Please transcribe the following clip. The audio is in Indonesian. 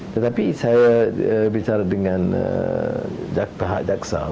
tetapi saya bicara dengan tahap jaksa untuk menunjuk membuktikan bahwa pelanggaran itu